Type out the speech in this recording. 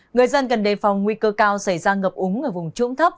người dân cần đề phòng nguy cơ cao xảy ra ngập úng ở vùng trũng thấp